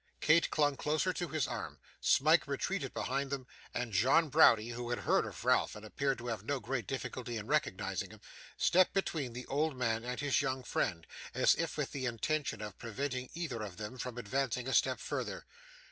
Kate clung closer to his arm, Smike retreated behind them, and John Browdie, who had heard of Ralph, and appeared to have no great difficulty in recognising him, stepped between the old man and his young friend, as if with the intention of preventing either of them from advancing a step further.